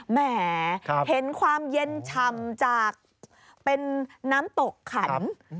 แหมเห็นความเย็นช่ำจากเป็นน้ำตกขัน